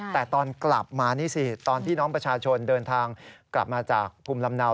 แต่ตอนกลับมานี่สิตอนที่น้องประชาชนเดินทางกลับมาจากภูมิลำเนา